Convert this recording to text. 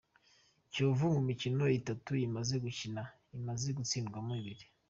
Kiyovu mu mikino itatu imaze gukina, imaze gutsindwamo ibiri.